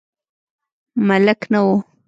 ملک نه و.